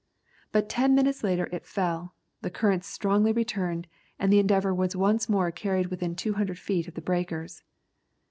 But ten minutes later it fell, the currents strongly returned, and the Endeavour was once more carried within 200 feet of the breakers.